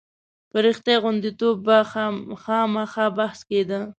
په رښتیا غوندېتوب به خامخا بحث کېده.